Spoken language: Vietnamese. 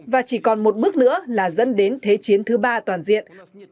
và chỉ còn một bước nữa là dẫn đến thế chiến thứ ba toàn diện